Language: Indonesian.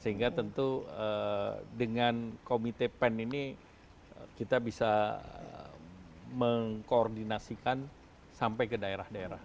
sehingga tentu dengan komite pen ini kita bisa mengkoordinasikan sampai ke daerah daerah